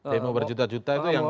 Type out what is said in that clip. demo berjuta juta itu yang